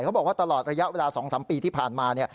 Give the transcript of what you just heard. เขาบอกว่าตลอดระยะเวลา๒๓ปีที่ผ่านมาเนี่ย